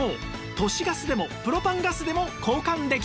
都市ガスでもプロパンガスでも交換できます